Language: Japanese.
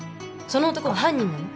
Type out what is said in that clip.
その男は犯人なの？